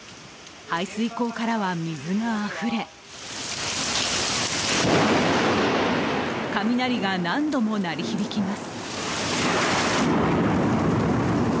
排水溝からは水があふれ雷が何度も鳴り響きます。